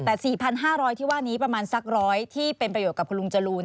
แต่๔๕๐๐ที่ว่านี้ประมาณสัก๑๐๐ที่เป็นประโยชน์กับคุณลุงจรูน